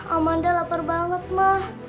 amanda lapar banget mah